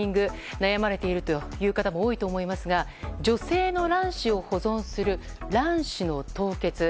悩まれているという方も多いと思いますが女性の卵子を保存する卵子の凍結。